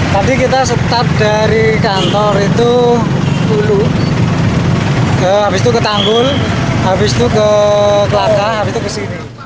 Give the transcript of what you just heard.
tadi kita start dari kantor itu hulu habis itu ke tanggul habis itu ke kelaka habis itu ke sini